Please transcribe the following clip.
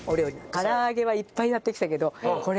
唐揚げはいっぱいやってきたけど。